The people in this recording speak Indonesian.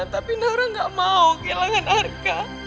tapi naura gak mau kehilangan arka